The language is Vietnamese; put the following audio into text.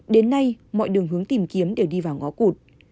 đến nay mọi đường hướng tìm kiếm đều đi vào ngõ cụt